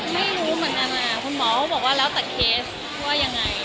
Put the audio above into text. ไม่รู้เหมือนกันคุณหมอก็บอกว่าแล้วแต่เคสว่ายังไง